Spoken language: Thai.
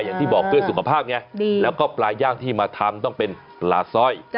อย่างที่บอกเพื่อสุขภาพไงแล้วก็ปลาย่างที่มาทำต้องเป็นปลาสร้อย